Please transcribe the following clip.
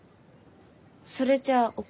それじゃあおっ